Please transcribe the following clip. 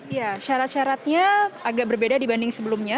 ya syarat syaratnya agak berbeda dibanding sebelumnya